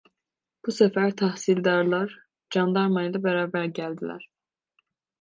Bu sefer tahsildarlar candarmayla beraber geldiler.